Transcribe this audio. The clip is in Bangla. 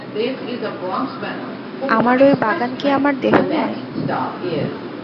আমার ঐ বাগান কি আমার দেহ নয়।